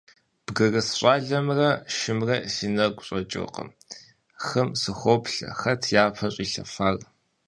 Бгырыс щӀалэмрэ шымрэ си нэгу щӀэкӀыркъым, хым сыхоплъэ: хэт япэ щӀилъэфар?